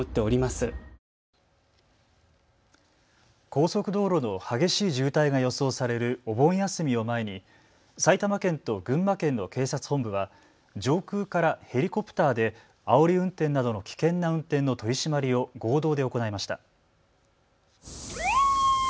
高速道路の激しい渋滞が予想されるお盆休みを前に埼玉県と群馬県の警察本部は上空からヘリコプターであおり運転などの危険な運転の取締りを合同で行いました。